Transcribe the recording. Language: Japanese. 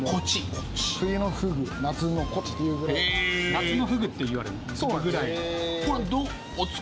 夏のフグっていわれるぐらい。